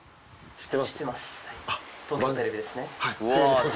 知ってます？